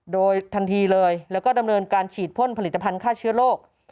โดยทันทีเลยแล้วก็ดำเนินการฉีดพ่นผลิตภัณฑ์ฆ่าเชื้อโรค